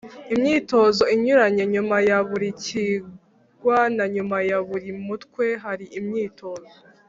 imyitozo inyuranye. Nyuma ya buri kigwa na nyuma ya buri mutwe hari imyitozo